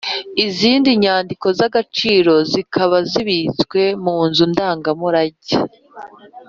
Izindi nyandiko z’agaciro zikaba zibitswe mu nzu ndangamurage.